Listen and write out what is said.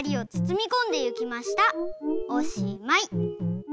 おしまい。